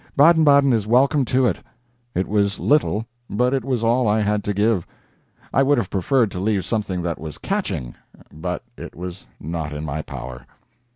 Baden Baden is welcome to it. It was little, but it was all I had to give. I would have preferred to leave something that was catching, but it was not in my power.